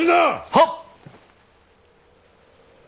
はっ！